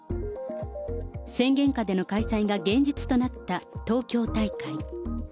宣言下での開催が現実となった東京大会。